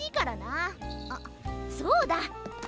あっそうだ。